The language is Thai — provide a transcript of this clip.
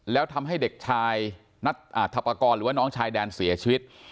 แล้วทำให้เด็กชายทัพปกรณ์หรือว่าน้องชายแดนเสียชีวิต